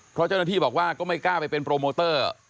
เพราะเจ้าหน้าที่บอกว่าก็ไม่กล้าไปเป็นโปรโมเตอร์